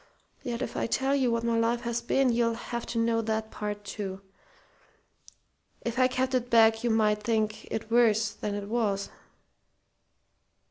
Yet if I tell you what my life has been you'll have to know that part, too. If I kept it back you might think it worse than it was."